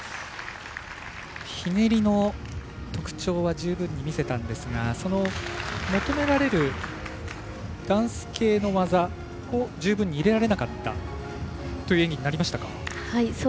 ひねりの特徴は十分に見せたんですが求められるダンス系の技を十分に入れられなかったという演技になりましたか？